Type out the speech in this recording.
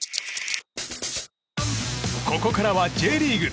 ここからはＪリーグ。